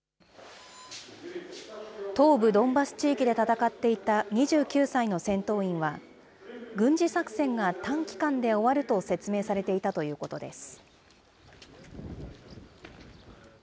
東部ドンバス地域で戦っていた２９歳の戦闘員は、軍事作戦が短期間で終わると説明されていたということです。